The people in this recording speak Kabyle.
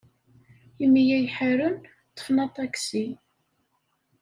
Imi ay ḥaren, ḍḍfen aṭaksi.